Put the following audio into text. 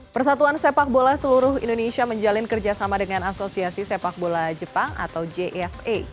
persatuan sepak bola seluruh indonesia menjalin kerjasama dengan asosiasi sepak bola jepang atau jfa